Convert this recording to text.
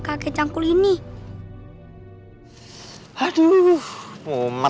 pak chakul porte prumuh dia